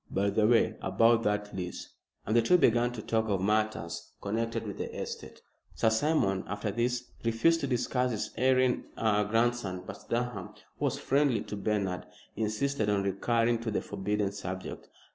By the way, about that lease," and the two began to talk of matters connected with the estate. Sir Simon after this refused to discuss his erring grandson, but Durham, who was friendly to Bernard, insisted on recurring to the forbidden subject.